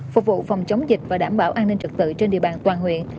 phục vụ phòng chống dịch và đảm bảo an ninh trật tự trên địa bàn toàn huyện